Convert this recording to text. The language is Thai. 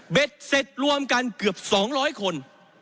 เสร็จรวมกันเกือบ๒๐๐คน